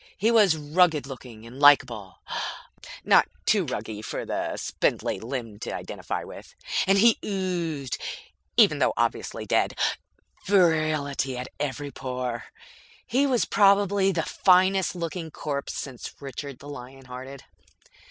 He was rugged looking and likable (not too rugged for the spindly limbed to identify with) and he oozed, even though obviously dead, virility at every pore. He was probably the finest looking corpse since Richard the Lion Hearted.